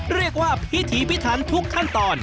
เรียกว่าพิถีพิถันทุกขั้นตอน